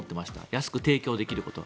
安く提供できること。